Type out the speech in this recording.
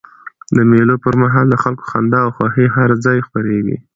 د مېلو پر مهال د خلکو خندا او خوښۍ هر ځای خپریږي.